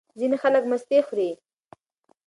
ځینې خلک مستې خوري.